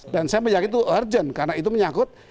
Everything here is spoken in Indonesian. dan saya meyakinkan itu urgent karena itu menyangkut